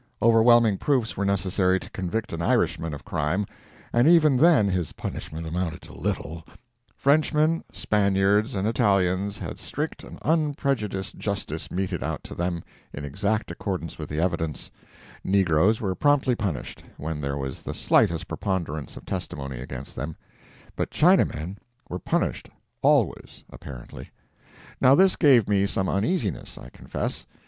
Overwhelming proofs were necessary to convict an Irishman of crime, and even then his punishment amounted to little; Frenchmen, Spaniards, and Italians had strict and unprejudiced justice meted out to them, in exact accordance with the evidence; negroes were promptly punished, when there was the slightest preponderance of testimony against them; but Chinamen were punished always, apparently. Now this gave me some uneasiness, I confess.